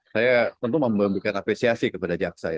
saya tentu membuktikan apresiasi kepada jaksa